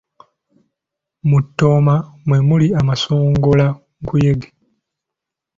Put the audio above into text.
Mu ttooma mwe muli amasongolankuyege.